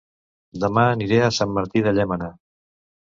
Dema aniré a Sant Martí de Llémena